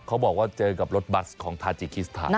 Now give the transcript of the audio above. บอกว่าเจอกับรถบัสของทาจิคิสถาน